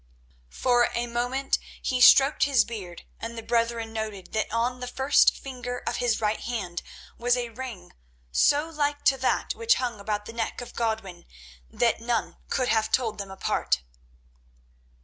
For a moment he stroked his beard, and the brethren noted that on the first finger of his right hand was a ring so like to that which hung about the neck of Godwin that none could have told them apart.